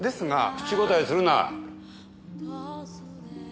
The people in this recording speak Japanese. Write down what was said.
口答えするな。